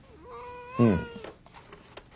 うん。